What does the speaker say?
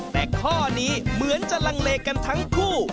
แต่ข้อนี้เหมือนจะลังเลกันทั้งคู่